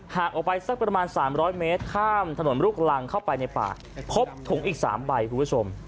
หากออกไปสักประมาณ๓๐๐เมตรข้ามถนนลูกรังเข้าไปในป่าพบถุงอีก๓ใบคุณผู้ชม